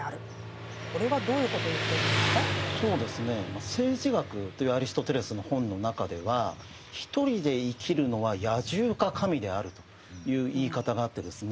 まあ「政治学」というアリストテレスの本の中ではという言い方があってですね